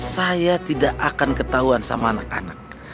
saya tidak akan ketahuan sama anak anak